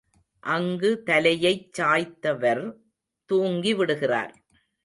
அங்கு தலையைச் சாய்த்தவர் தூங்கிவிடுகிறார்.